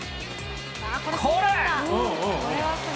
これ。